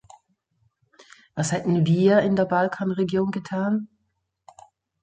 Was hätten wir in der Balkanregion getan?